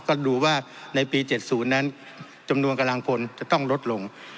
ก็ดูว่าในปี๗๐นั้นจำนวนกำลังพลจะต้องลดลง